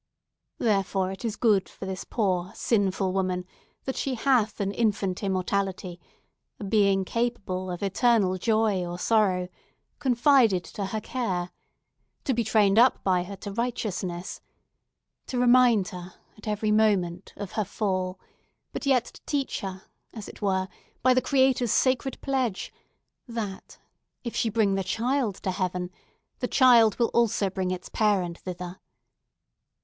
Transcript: Therefore it is good for this poor, sinful woman, that she hath an infant immortality, a being capable of eternal joy or sorrow, confided to her care—to be trained up by her to righteousness, to remind her, at every moment, of her fall, but yet to teach her, as if it were by the Creator's sacred pledge, that, if she bring the child to heaven, the child also will bring its parents thither!